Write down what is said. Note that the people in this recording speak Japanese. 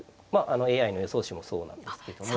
ＡＩの予想手もそうなんですけども。